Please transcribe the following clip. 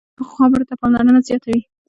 پخو خبرو ته پاملرنه زیاته وي